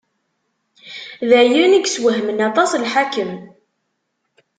D ayen i yeswehmen aṭas lḥakem.